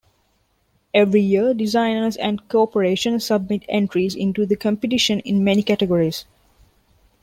Every year, designers and corporations submit entries into the competition in many categories.